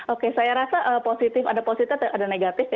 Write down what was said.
oke saya rasa ada positif dan ada negatif